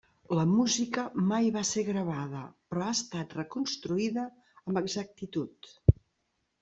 La música mai va ser gravada, però ha estat reconstruïda amb exactitud.